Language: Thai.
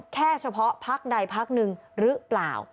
เฉพาะพักใดพักหนึ่งหรือเปล่า